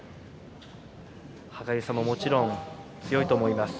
歯がゆさももちろん強いと思います。